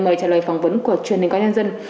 mời trả lời phỏng vấn của truyền hình công an nhân dân